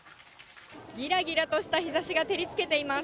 ぎらぎらとした日ざしが照りつけています。